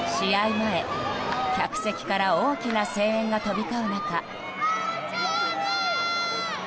前、客席から大きな声援が飛び交う中。